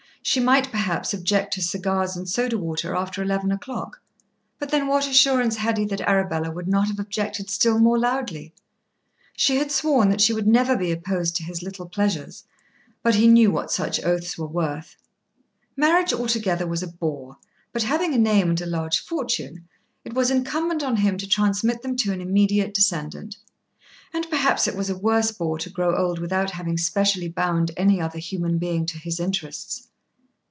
She might perhaps object to cigars and soda water after eleven o'clock, but then what assurance had he that Arabella would not have objected still more loudly. She had sworn that she would never be opposed to his little pleasures; but he knew what such oaths were worth. Marriage altogether was a bore; but having a name and a large fortune, it was incumbent on him to transmit them to an immediate descendant. And perhaps it was a worse bore to grow old without having specially bound any other human being to his interests.